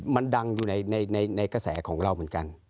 มันดังอยู่ในกระแสของเราเหมือนกัน